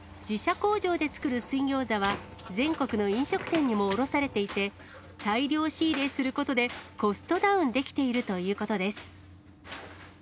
自社工場で作る水餃子は全国の飲食店にも卸されていて、大量仕入れすることで、コストダウンできているということです。